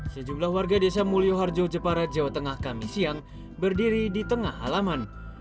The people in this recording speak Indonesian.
sejumlah warga desa mulyo harjo jepara jawa tengah kami siang berdiri di tengah halaman